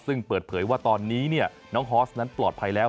ซึ่งเปิดเผยว่าตอนนี้น้องฮอสนั้นปลอดภัยแล้ว